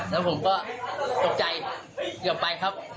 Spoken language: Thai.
แล้วผมก็สกใจอีกกว่าไปครับ